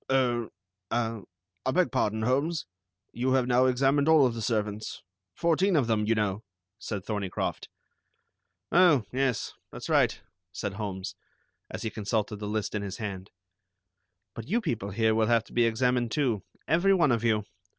"Er, ah, I beg pardon, Holmes, you have now examined all of the servants. Fourteen of them, you know," said Thorneycroft. "Oh, yes. That's right," said Holmes, as he consulted the list in his hand; "but you people here will have to be examined too, every one of you.